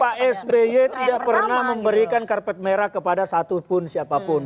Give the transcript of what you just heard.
pak sby tidak pernah memberikan karpet merah kepada satupun siapapun